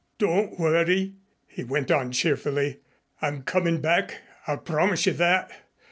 "Don't worry," he went on cheerfully, "I'm coming back. I'll promise you that.